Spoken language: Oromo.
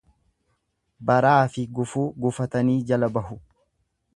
Baraafi gufuu gufatanii jala bahu.